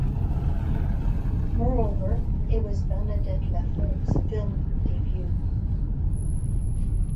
Moreover, it was Bernadette Lafont's film debut.